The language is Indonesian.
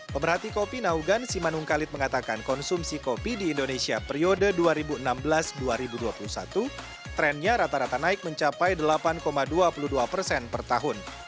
pemerhati kopi naugan simanung kalit mengatakan konsumsi kopi di indonesia periode dua ribu enam belas dua ribu dua puluh satu trennya rata rata naik mencapai delapan dua puluh dua persen per tahun